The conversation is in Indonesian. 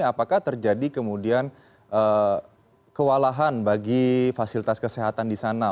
apakah terjadi kemudian kewalahan bagi fasilitas kesehatan di sana